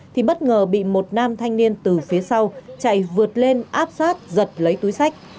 thì bất ngờ bị một nam thanh niên từ phía sau chạy vượt lên áp sát giật lấy túi sách